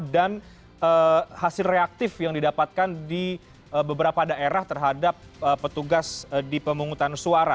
dan hasil reaktif yang didapatkan di beberapa daerah terhadap petugas di pemungutan suara